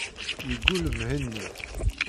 Yeggull Mhenni.